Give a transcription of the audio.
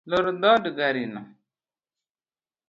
Lor dhod garino.